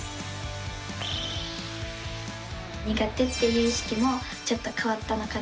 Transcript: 苦手っていう意識もちょっと変わったのかなと。